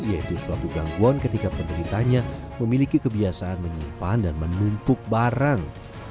yaitu suatu gangguan ketika penderitanya memiliki kebiasaan menyimpan dan menumpuk barang